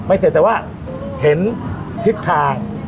เสร็จแต่ว่าเห็นทิศทาง